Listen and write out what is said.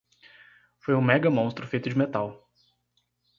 Foi um mega monstro feito de metal.